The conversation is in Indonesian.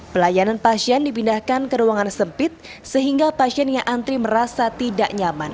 pelayanan pasien dipindahkan ke ruangan sempit sehingga pasien yang antri merasa tidak nyaman